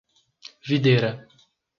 Videira